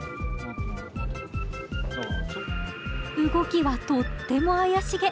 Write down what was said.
動きはとっても怪しげ。